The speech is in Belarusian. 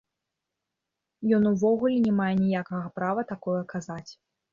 Ён увогуле не мае ніякага права такое казаць.